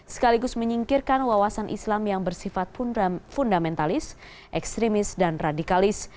sekaligus menyingkirkan wawasan islam yang bersifat fundamentalis ekstremis dan radikalis